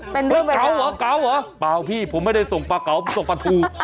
เกาะเหรอเกาะเหรอเปล่าพี่ผมไม่ได้ส่งปลาเกาะส่งปลาถู